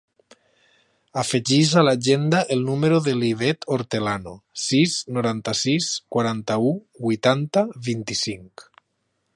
Afegeix a l'agenda el número de l'Ivette Hortelano: sis, noranta-sis, quaranta-u, vuitanta, vint-i-cinc.